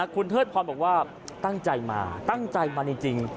คุณเทิดพรบอกว่าตั้งใจมาตั้งใจมาจริง